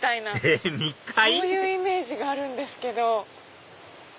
そういうイメージがあるんですけど。